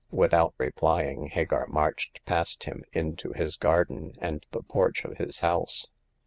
Without replying Hagar marched past him, into his garden, and the porch of his house.